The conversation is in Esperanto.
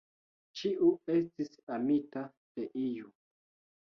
Ĉiu estis amita de iu.